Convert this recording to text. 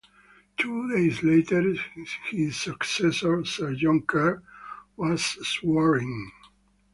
Two days later, his successor Sir John Kerr was sworn in.